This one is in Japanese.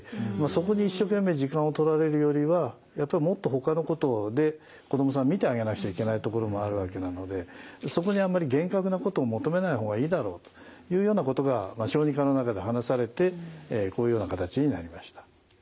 そこに一生懸命時間をとられるよりはやっぱりもっとほかのことで子どもさん見てあげなくちゃいけないところもあるわけなのでそこにあんまり厳格なことを求めない方がいいだろういうようなことが小児科の中で話されてこういうような形になりました。